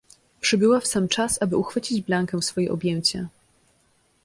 "Przybyła w sam czas, aby uchwycić Blankę w swoje objęcia."